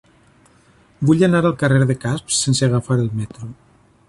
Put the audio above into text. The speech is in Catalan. Vull anar al carrer de Casp sense agafar el metro.